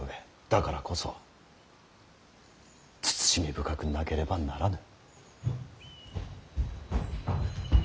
だからこそ慎み深くなければならぬ。